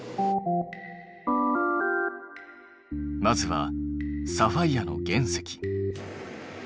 まずはサファイアの原石。